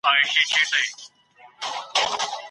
کوچیان په همدې ځای کي نه اوسیږي.